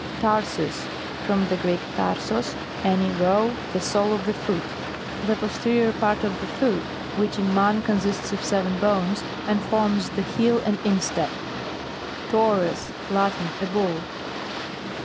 TARSUS. From the Greek, torsos, any row, the sole of the foot. The pos terior part of the foot, which, in man, consists of seven bones, and forms .the heel and instep. TAURUS. Latin. A bull.